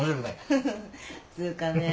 つうかね